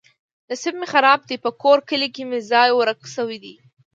نصیب مې خراب دی. په کور کلي کې مې ځای ورک شوی دی.